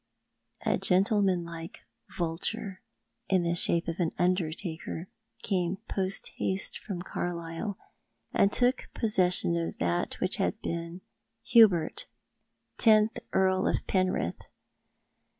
A gentlemanlike vulture — in the shape of an undertaker — came post haste from Carlisle, and took pos session of that which liad been Hubert, tentli Earl of Penrith.